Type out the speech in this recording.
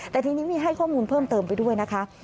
แต่ทีนี้มีให้ข้อมูลเพิ่มเติมไปด้วยนะคะ